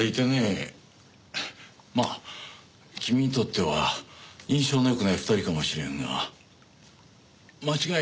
まあ君にとっては印象の良くない２人かもしれんが間違いなく役に立つ。